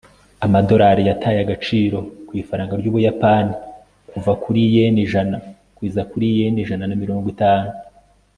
amadolari yataye agaciro ku ifaranga ry'ubuyapani kuva kuri yen ijana kugeza kuri yen ijana na mirongo itanu